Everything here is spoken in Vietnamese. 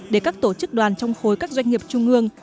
để các tổ chức đoàn trong khối các doanh nghiệp trung ương